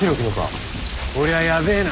こりゃやべえな。